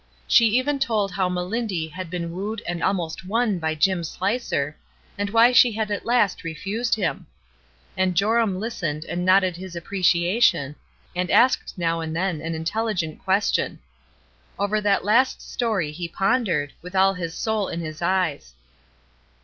She even told how Melindy had been wooed and almost won by Jim Slicer, and why she had at last refused him. And Joram listened and nodded his appreciation, and asked now and then an intelligent question. Over that last story he pondered, with all his soul in his eyes.